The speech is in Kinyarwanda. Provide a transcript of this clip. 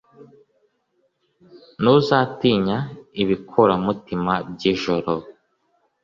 ntuzatinya ibikuramutima by'ijoro